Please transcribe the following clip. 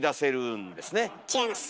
違います。